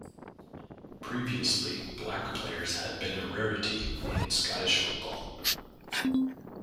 Previously, black players had been a rarity in Scottish football.